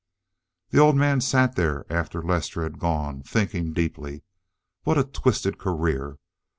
The old man sat there after Lester had gone, thinking deeply. What a twisted career!